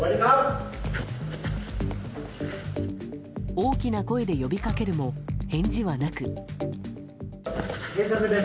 大きな声で呼びかけるも返事はなく。